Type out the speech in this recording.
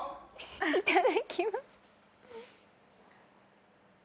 いただきます。